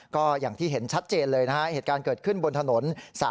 ก็อย่างที่เห็นชัดเจนเลยนะฮะเหตุการณ์เกิดขึ้นบนถนน